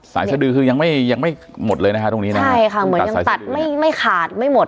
สะดือคือยังไม่ยังไม่หมดเลยนะฮะตรงนี้นะใช่ค่ะเหมือนยังตัดไม่ไม่ขาดไม่หมด